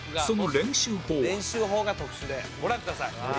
「練習法が特殊でご覧ください」